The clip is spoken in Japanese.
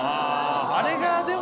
あれがでも。